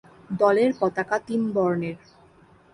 দলের পতাকা তিন বর্ণের।